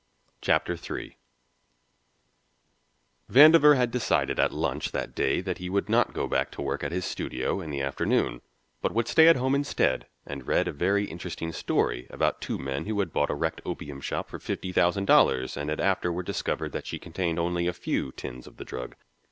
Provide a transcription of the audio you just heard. Chapter Three Vandover had decided at lunch that day that he would not go back to work at his studio in the afternoon, but would stay at home instead and read a very interesting story about two men who had bought a wrecked opium ship for fifty thousand dollars, and had afterward discovered that she contained only a few tins of the drug.